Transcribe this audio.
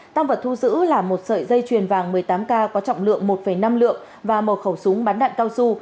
tăng vật thu giữ là một sợi dây chuyền vàng một mươi tám k có trọng lượng một năm lượng và một khẩu súng bắn đạn cao su